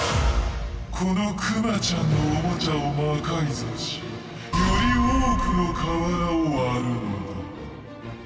このクマちゃんのオモチャを魔改造しより多くの瓦を割るのだ。